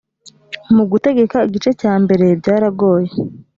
mu gutegeka igice cya mbere byaragoye